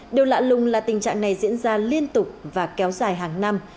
điều lạ lùng là tình trạng này diễn ra liên tục và kéo dài hàng năm